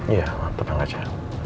iya mantap banget ya